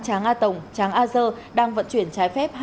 tráng a tổng tráng a dơ đang vận chuyển trái phép